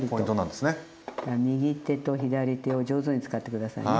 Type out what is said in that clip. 右手と左手を上手に使って下さいね。